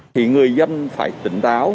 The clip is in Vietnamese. thì người dân phải tỉnh táo